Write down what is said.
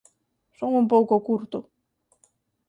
Son un pouco curto.